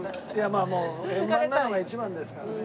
まあ円満なのが一番ですからね。